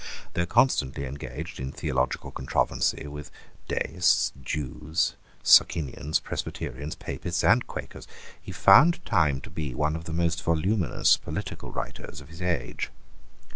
Though constantly engaged in theological controversy with Deists, Jews, Socinians, Presbyterians, Papists, and Quakers, he found time to be one of the most voluminous political writers of his age.